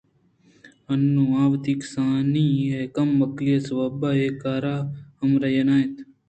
انوں آ وتی کسانی ءَکم عقلی ءِ سوب ءَاے کار ءِ ہمر اہ نہ انت